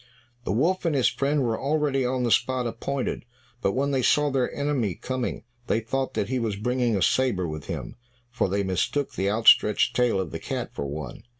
The wolf and his friend were already on the spot appointed, but when they saw their enemy coming they thought that he was bringing a sabre with him, for they mistook the outstretched tail of the cat for one.